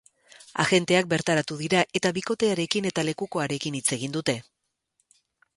Agenteak bertaratu dira, eta bikotearekin eta lekukoarekin hitz egin dute.